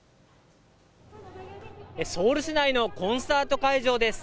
ソウル市内のコンサート会場です。